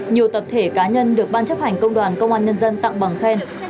nhiều tập thể cá nhân được ban chấp hành công đoàn công an nhân dân tặng bằng khen